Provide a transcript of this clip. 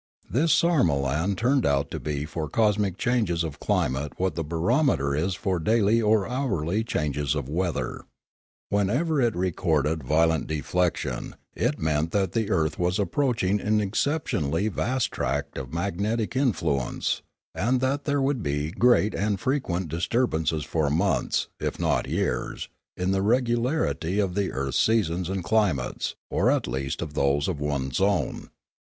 This sarmolan turned out to be for cosmic changes of climate what the barometer is for daily or hourly changes of weather. Whenever it re corded violent deflection, it meant that the earth was 322 Limanora approaching an exceptionally vast tract of magnetic in fluence, and that there would be great and frequent dis turbances for months, if not for years, in the regularity of the earth's seasons and climates, or at least of those of one zone.